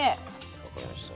分かりました。